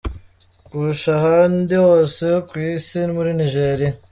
Kurusha ahandi hose ku isi muri Nigeria.